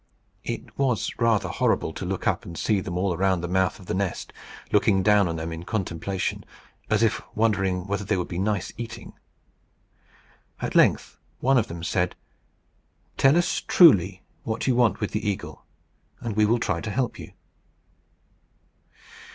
It was rather horrible to look up and see them all round the mouth of the nest, looking down on them in contemplation, as if wondering whether they would be nice eating. At length one of them said, "Tell us truly what you want with the eagle, and we will try to help you."